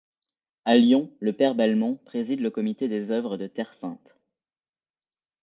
À Lyon, le père Belmont préside le comité des œuvres de Terre Sainte.